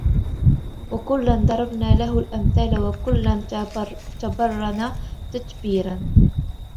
وكلا ضربنا له الأمثال وكلا تبرنا تتبيرا